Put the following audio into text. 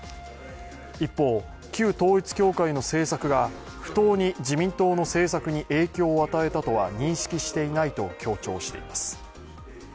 一方、旧統一教会の政策が不当に自民党の政策に影響を与えたとは認識していないと強調しています。